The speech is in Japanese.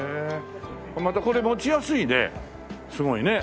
またこれ持ちやすいねすごいね。